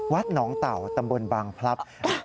วัดหนองเต่าตำบลบางพลับ